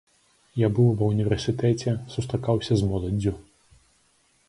Я быў ва ўніверсітэце, сустракаўся з моладдзю.